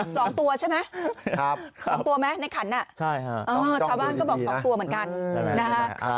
สองตัวใช่ไหมครับสองตัวไหมในขันน่ะใช่ฮะเออชาวบ้านก็บอกสองตัวเหมือนกันนะฮะ